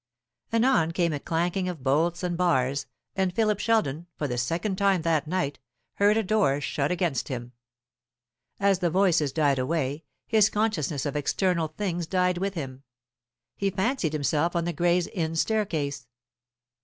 Anon came a clanking of bolts and bars; and Philip Sheldon, for the second time that night, heard a door shut against him. As the voices died away, his consciousness of external things died with him. He fancied himself on the Gray's Inn staircase.